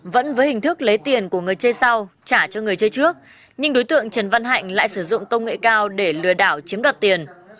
vẫn với hình thức lấy tiền của người chơi sau trả cho người chơi trước nhưng đối tượng trần văn hạnh lại sử dụng công nghệ cao để lừa đảo chiếm đoạt tiền